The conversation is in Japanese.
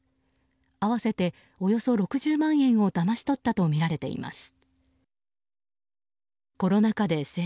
合わせておよそ６０万円をだまし取ったとみられています。